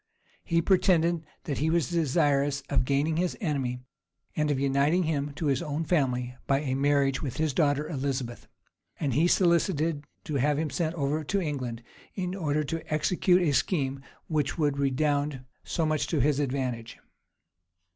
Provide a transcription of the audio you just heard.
He pretended that he was desirous of gaining his enemy, and of uniting him to his own family by a marriage with his daughter Elizabeth; and he solicited to have him sent over to England, in order to execute a scheme which would redound so much to his advantage.